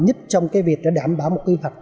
nhất trong cái việc đảm bảo một quy hoạch